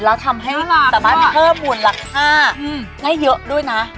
แล้วทำให้สามารถเพิ่มมูลค่าได้เยอะด้วยนะ